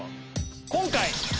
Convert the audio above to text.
今回。